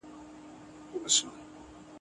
بس مرور له سولي ښه یو پخلا نه سمیږو ..